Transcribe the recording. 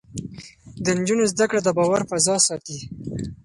د نجونو زده کړه د باور فضا ساتي.